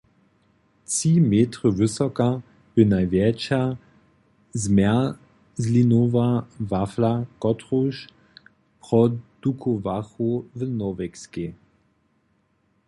Tři metry wysoka bě najwjetša zmjerzlinowa wafla, kotruž produkowachu w Norwegskej.